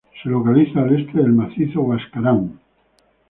Se localiza al este del Macizo Huascarán.